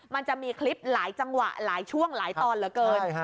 มันจะมีคลิปหลายจังหวะหลายช่วงหลายตอนเหลือเกิน